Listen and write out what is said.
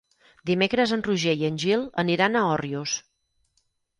Dimecres en Roger i en Gil aniran a Òrrius.